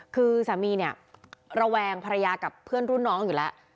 คือสามีเนี่ยระแวงภรรยากับเพื่อนรุ่นน้องอยู่แล้ว